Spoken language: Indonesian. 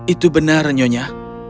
itu benar nyonya